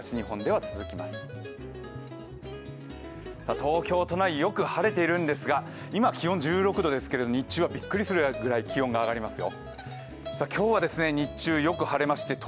東京都内よく晴れているんですが今、気温１６度ですけど、日中はびっくりするぐらい気温が上がりますよ。